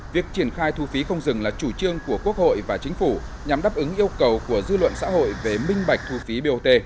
việc triển khai thu phí không dừng là chủ trương của quốc hội và chính phủ nhằm đáp ứng yêu cầu của dư luận xã hội về minh bạch thu phí bot